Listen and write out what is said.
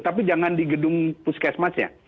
tapi jangan di gedung puskesmasnya